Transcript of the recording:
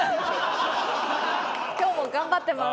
今日も頑張ってます。